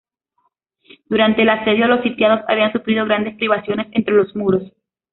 Durante el asedio los sitiados habían sufrido grandes privaciones entre los muros.